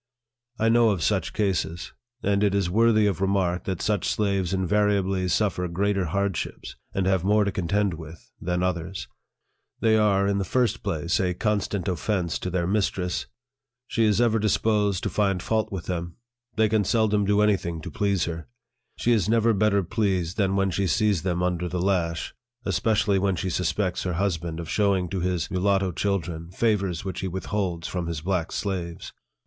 I know of such cases ; and it is worthy of remark that such slaves invariably suffer greater hardships, and have more to contend with, than others. They are, in the first place, a constant offence to their mistress. She is ever disposed to find fault with them ; they can seldom do any thing to please her ; she is never better pleased than when she sees them under the lash, especially when she suspects her husband of showing to his mulatto children favors which he withholds from his black slaves.